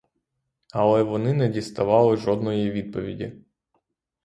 Але вони не діставали жодної відповіді.